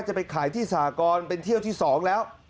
จะไปขายที่สากรเป็นเที่ยวที่๒แล้ว